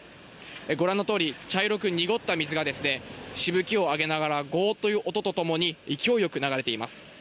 ご覧のとおり、茶色く濁った水がしぶきを上げながら、ごーっという音とともに勢いよく流れています。